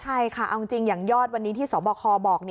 ใช่ค่ะเอาจริงอย่างยอดวันนี้ที่สบคบอก